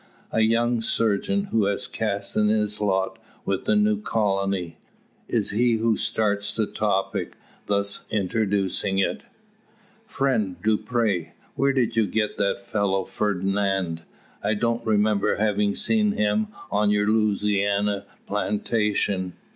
A young surgeon, who has cast in his lot with the new colony, is he who starts the topic, thus introducing it: "Friend Dupre, where did you get that fellow Fernand? I don't remember having seen him on your Louisiana plantation."